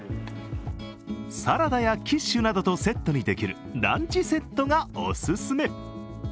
サラダやキッシュなどとセットにできるランチセットがおすすめ。